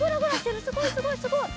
すごいすごいすごい。